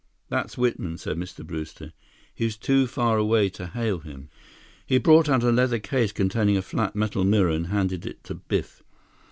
"That's Whitman," said Mr. Brewster. "He's too far away to hail him." He brought out a leather case containing a flat metal mirror and handed it to Biff.